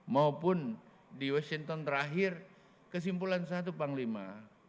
maupun di washington terakhir kesimpulan satu panglima